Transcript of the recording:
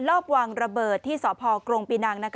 รอบวางระเบิดที่สพกรงปีนัง